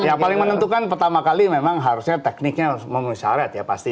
yang paling menentukan pertama kali memang harusnya tekniknya memenuhi syarat ya pasti